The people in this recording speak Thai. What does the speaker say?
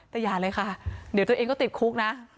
แต่อย่าเลยค่ะเดี๋ยวตัวเองก็ติดคุกนะ